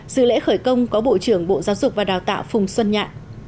dự lễ khởi công có bộ trưởng bộ giáo dục và đào tạo phùng xuân nhạ